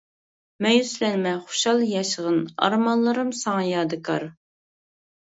مەيۈسلەنمە خۇشال ياشىغىن، ئارمانلىرىم ساڭا يادىكار.